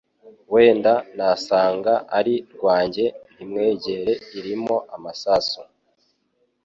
Wenda nasanga ari rwanjye Ntimwegere irimo amasasu